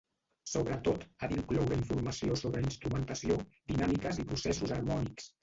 Sobretot, ha d'incloure informació sobre instrumentació, dinàmiques i processos harmònics.